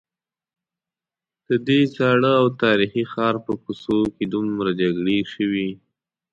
ددې زاړه او تاریخي ښار په کوڅو کې دومره جګړې شوي.